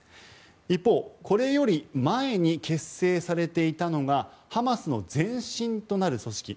一方、これより前に結成されていたのがハマスの前身となる組織。